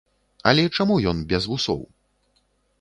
Але чаму ён без вусоў?